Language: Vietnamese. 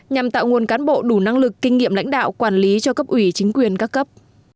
nhằm tạo nguồn cán bộ đủ năng lực kinh nghiệm lãnh đạo quản lý cho cấp ủy chính quyền các cấp